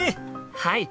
はい！